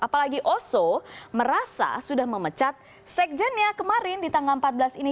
apalagi oso merasa sudah memecat sekjennya kemarin di tanggal empat belas ini